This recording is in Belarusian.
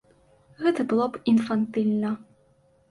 Гэта было б інфантыльна.